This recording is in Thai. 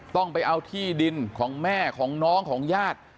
ต้องไปเอาที่ดินของแม่ของน้องของญาติ